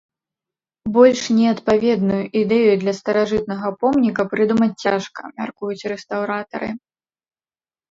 Больш неадпаведную ідэю для старажытнага помніка прыдумаць цяжка, мяркуюць рэстаўратары.